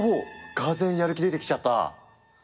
がぜんやる気出てきちゃった？